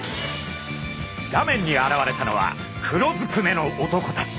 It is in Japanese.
画面に現れたのは黒ずくめの男たち。